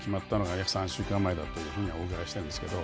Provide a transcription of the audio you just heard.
約３週間前だというふうにはお伺いしてるんですけど。